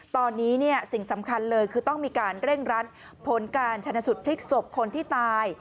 ตอนนี้สิ่งสำคัญเลยคือต้องมีการเร่งรัดผลการชนะสุดพลิกศพคนที่ตาย